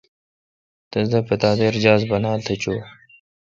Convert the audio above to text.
تس دا پتا دے جہاز بانال تھ چویں ۔